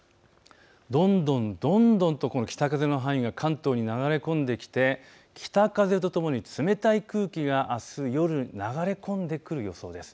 どんどんどんどん北風の範囲が関東に流れ込んできて北風とともに冷たい空気があす夜、流れ込んでくる予想です。